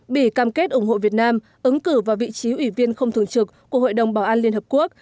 bỉ cam kết ủng hộ việt nam ứng cử vào vị trí ủy viên không thường trực của hội đồng bảo an liên hợp quốc